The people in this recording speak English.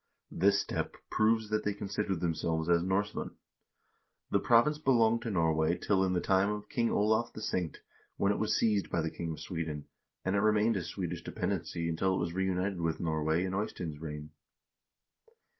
This step proves that they considered themselves as Norsemen. The province be longed to Norway till in the time of King Olav the Saint, when it was seized by the king of Sweden, and it remained a Swedish de pendency until it was reunited with Norway in Eystein's reign.